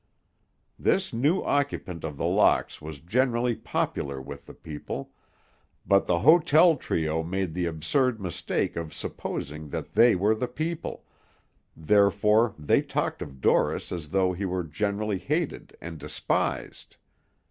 The new occupant of The Locks was generally popular with the people, but the hotel trio made the absurd mistake of supposing that they were the people, therefore they talked of Dorris as though he were generally hated and despised.